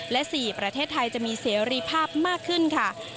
และ๔ประเทศไทยจะมีเสรีภาพมากขึ้นค่ะ